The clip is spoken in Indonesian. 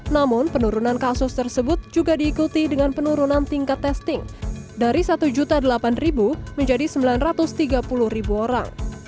namun penurunan kasus tersebut juga diikuti dengan penurunan tingkat testing dari satu delapan menjadi sembilan ratus tiga puluh orang